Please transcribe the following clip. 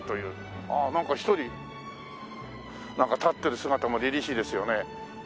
ああなんか１人なんか立ってる姿もりりしいですよね。